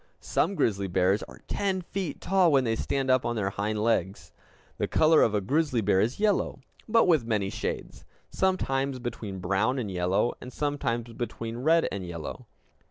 Some grizzly bears are ten feet tall when they stand up on their hind legs! The color of a grizzly bear is yellow, but with many shades; sometimes between brown and yellow, and sometimes between red and yellow.